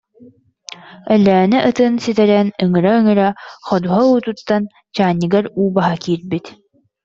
Өлөөнө ытын сүтэрэн ыҥыра-ыҥыра ходуһа уутуттан чаанньыгар уу баһа киирбит